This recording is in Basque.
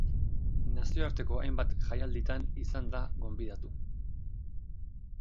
Nazioarteko hainbat jaialditan izan da gonbidatu.